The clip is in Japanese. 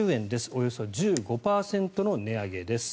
およそ１５％の値上げです。